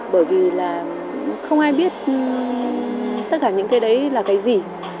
bởi vì là không ai biết tất cả những cái đấy là cái gì